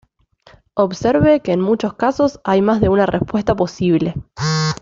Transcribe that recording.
Observe que en muchos casos hay más de una respuesta posible.